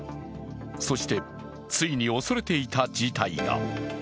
そしてついに恐れていた事態が。